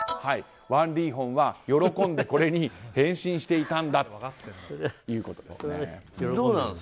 ワン・リーホンは喜んで、これに返信していたんだということです。